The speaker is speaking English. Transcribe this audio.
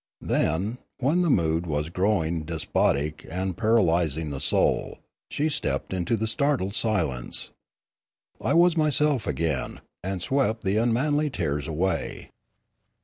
Then, when the mood was growing despotic and para lysing the soul, she stepped into the startled silence. I was myself again, and swept the unmanly tears away.